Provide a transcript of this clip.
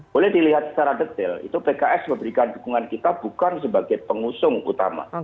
boleh dilihat secara detail itu pks memberikan dukungan kita bukan sebagai pengusung utama